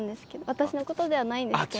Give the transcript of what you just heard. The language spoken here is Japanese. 私のことではないんですけど。